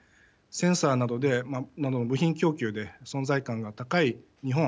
センサーなどで部品供給で存在感が高い日本